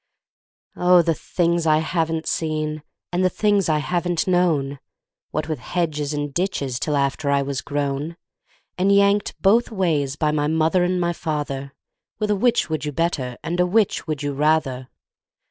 Oh, the things I haven't seen and the things I haven't known, What with hedges and ditches till after I was grown, And yanked both ways by my mother and my father, With a 'Which would you better?" and a "Which would you rather?"